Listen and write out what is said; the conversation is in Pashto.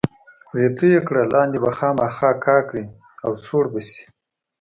پرې توی یې کړه، لاندې به خامخا کا کړي او سوړ به شي.